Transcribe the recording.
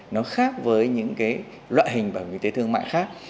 nó khác với những cái loại hình bảo hiểm y tế thương mại khác